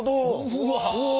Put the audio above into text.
うわ。